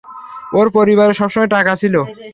ওর পরিবারে সবসময় টাকা ছিল।